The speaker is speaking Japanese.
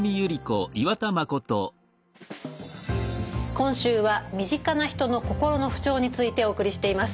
今週は「身近な人の心の不調」についてお送りしています。